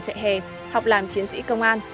chạy hè học làm chiến sĩ công an